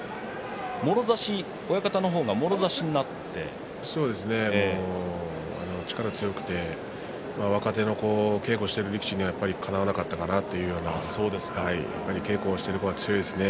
親方がもろ差しになって力が強くて若手の稽古をしている力士にはかなわなかったかなという稽古をしている力士は強いですね。